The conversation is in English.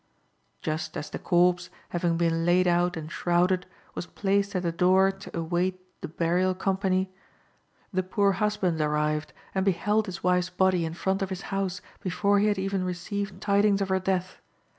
Just as the corpse, having been laid out and shrouded,(5) was placed at the door to await the burial company, the poor husband arrived and beheld his wife's body in front of his house before he had even received tidings of her death.